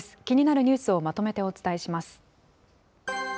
気になるニュースをまとめてお伝えします。